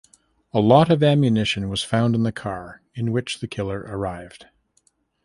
A lot of ammunition was found in the car in which the killer arrived.